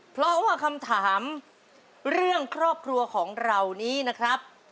เพราะว่าคำถามเรื่องครอบครัวของเรานี้นะครับ